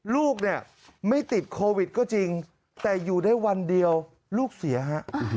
ลูกเนี่ยไม่ติดโควิดก็จริงแต่อยู่ได้วันเดียวลูกเสียฮะ